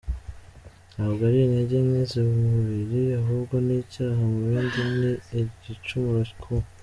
ntabwo ari intege nke z'umubiri ahubwo ni icyaha mu bindi ni igicumuro ku.